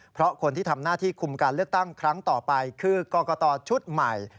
เพราะคนที่ทำหน้าที่คุมการเลือกตั้งครั้งต่อไปคือกรกตชุดใหม่